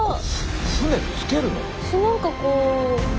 船着けるの？